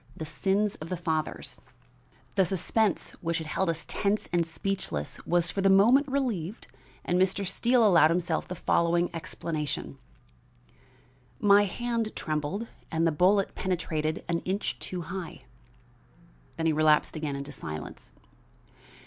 THE SINS OF THE FATHERS The suspense which had held us tense and speechless was for the moment relieved and Mr. Steele allowed himself the following explanation: "My hand trembled and the bullet penetrated an inch too high." Then he relapsed again into silence.